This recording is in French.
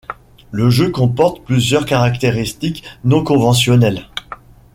Le jeu comporte plusieurs caractéristiques non conventionnelles.